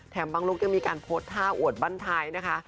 บางลุกยังมีการโพสต์ท่าอวดบ้านท้ายนะคะ